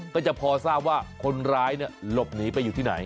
ก็จะพอทราบว่าคนร้ายหลบหนีไปอยู่ที่ไหน